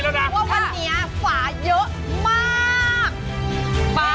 เพราะว่าวันนี้ฝาเยอะมาก